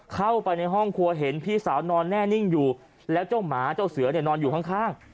เข้าไปในห้องครัวเห็นพี่สาวนอนแน่นิ่งอยู่แล้วเจ้าหมาเจ้าเสือเนี่ยนอนอยู่ข้าง